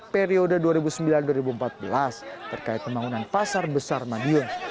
periode dua ribu sembilan dua ribu empat belas terkait pembangunan pasar besar madiun